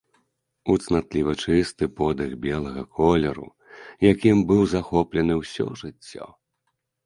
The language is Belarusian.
У цнатліва чысты подых белага колеру, якім быў захоплены ўсё жыццё.